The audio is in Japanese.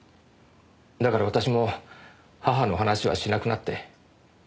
だから私も母の話はしなくなって。